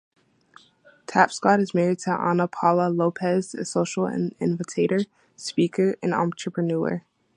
Tapscott is married to Ana Paula Lopes a social innovator, speaker and entrepreneur.